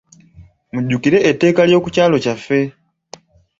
Mujjukire etteeka ly'oku kyalo kyaffe.